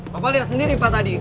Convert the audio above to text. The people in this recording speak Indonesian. bapak lihat sendiri pak tadi